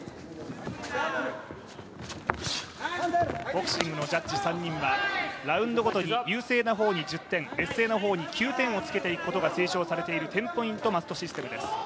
ボクシングのジャッジ３人はラウンドごとに優勢な方に１０点、劣勢な方に９点をつけていくことが推奨されている１０ポイントマストシステムです。